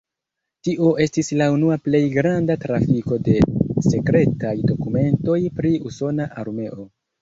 Tio estis la unua plej granda trafiko de sekretaj dokumentoj pri usona armeo.